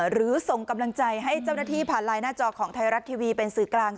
หรือส่งกำลังใจให้เจ้าหน้าที่ผ่านไลน์หน้าจอของไทยรัฐทีวีเป็นสื่อกลาง